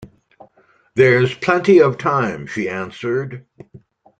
“There’s plenty of time,” she answered.